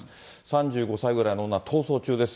３５歳ぐらいの女、逃走中です。